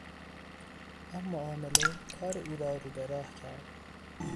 آن معامله کار او را رو به راه کرد.